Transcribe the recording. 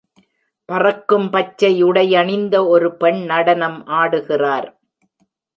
பறக்கும் பச்சை உடையணிந்த ஒரு பெண் நடனம் ஆடுகிறார்.